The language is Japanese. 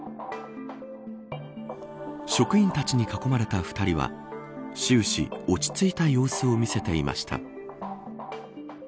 職員たちに囲まれた２人は終始、落ち着いた様子を見せていました。